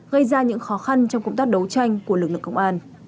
gây ra những khó khăn trong công tác đấu tranh của lực lượng công an